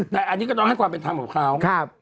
แต่อันนี้ก็ต้องให้ความเป็นธรรมของเขา